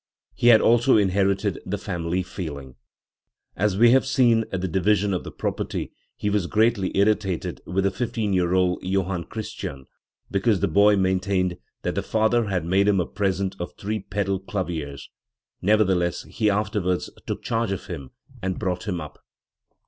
He had also inherited the family feeling. As we have seen, at the division of the property he was greatly irritated with the fifteen year old Jofhann Christian because the boy maintained that the father had made him a present of three pedal daviersf; nevertheless he afterwards took charge of him and brought him up.